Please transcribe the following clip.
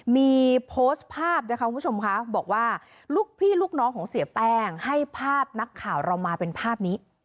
มีโพสต์ภาพนะคะคุณผู้ชมค่ะบอกว่าลูกพี่ลูกน้องของเสียแป้งให้ภาพนักข่าวเรามาเป็นภาพนี้